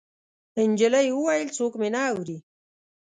نجلۍ وويل: څوک مې نه اوري.